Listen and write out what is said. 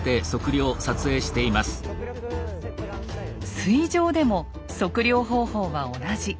水上でも測量方法は同じ。